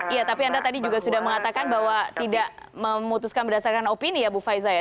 iya tapi anda tadi juga sudah mengatakan bahwa tidak memutuskan berdasarkan opini ya bu faiza ya